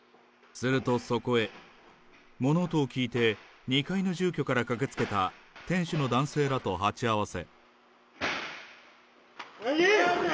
するとそこへ、物音を聞いて、２階の住居から駆けつけた店主の男性らと鉢合わせ。